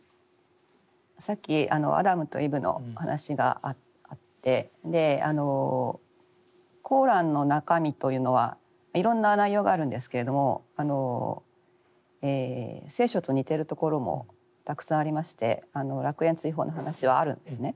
さっきアダムとイブの話があってコーランの中身というのはいろんな内容があるんですけれども聖書と似ているところもたくさんありまして楽園追放の話はあるんですね。